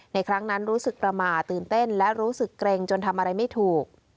ครั้งนั้นรู้สึกประมาทตื่นเต้นและรู้สึกเกร็งจนทำอะไรไม่ถูก